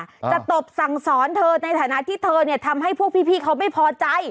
จะตบสั่งสอนเธอในฐานะที่เธอเนี่ยทำให้พวกพี่เขาไม่พอใจ